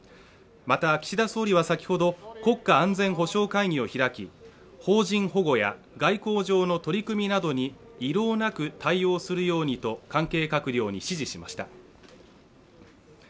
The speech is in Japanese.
また、岸田総理は先ほど国家安全保障会議を開き邦人保護や外交上の取り組みなどに遺漏なく対応するようにと関係閣僚に指示しました。